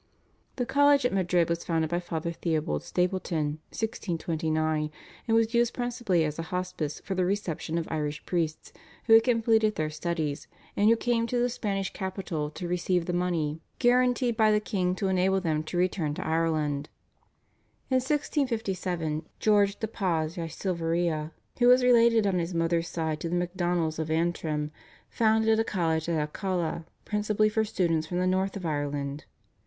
The college at Madrid was founded by Father Theobold Stapleton (1629), and was used principally as a hospice for the reception of Irish priests who had completed their studies, and who came to the Spanish capital to receive the money guaranteed by the king to enable them to return to Ireland. In 1657 George de Paz y Silveira, who was related on his mother's side to the MacDonnells of Antrim, founded a college at Alcalá principally for students from the North of Ireland.